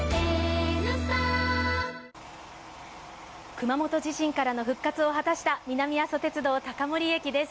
熊本地震からの復活を果たした南阿蘇鉄道の高森駅です。